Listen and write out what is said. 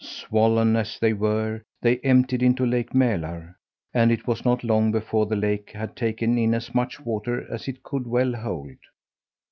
Swollen as they were, they emptied into Lake Mälar, and it was not long before the lake had taken in as much water as it could well hold.